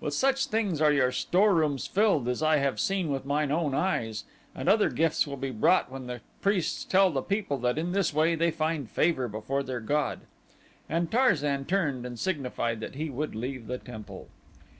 With such things are your storerooms filled as I have seen with mine own eyes, and other gifts will be brought when the priests tell the people that in this way they find favor before their god," and Tarzan turned and signified that he would leave the temple.